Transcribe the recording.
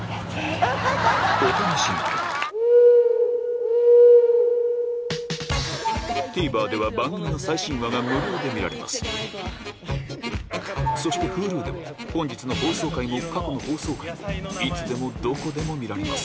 お楽しみにＴＶｅｒでは番組の最新話が無料で見られますそしてＨｕｌｕでは本日の放送回も過去の放送回もいつでもどこでも見られます